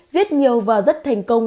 viết nhiều và rất thành công